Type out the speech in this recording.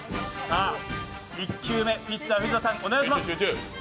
１球目、ピッチャー・藤田さん、お願いします。